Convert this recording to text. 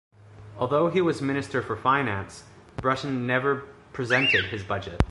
Although he was Minister for Finance, Bruton never presented his Budget.